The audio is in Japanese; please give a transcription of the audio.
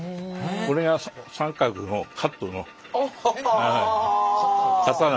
これが三角のカットの型なんですけど。